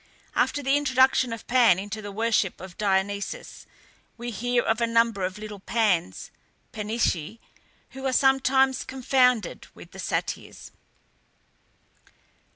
After the introduction of Pan into the worship of Dionysus, we hear of a number of little Pans (Panisci), who are sometimes confounded with the Satyrs.